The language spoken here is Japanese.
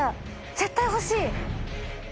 絶対欲しい。